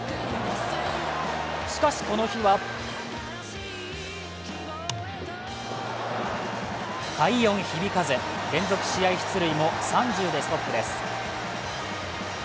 しかしこの日は快音響かず、連続試合出塁も３０でストップです。